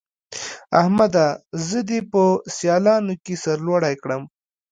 احمده! زه دې په سيالانو کې سر لوړی کړم.